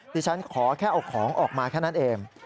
ดิฉันขอแค่เอาของออกมาแค่นั้นเอง